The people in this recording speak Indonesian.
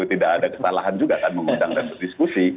tidak ada kesalahan juga kan mengundang dan berdiskusi